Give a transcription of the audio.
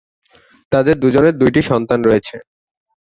তাদের দুজনের দুইটি সন্তান রয়েছে।